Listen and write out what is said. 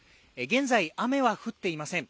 現在雨は降っていません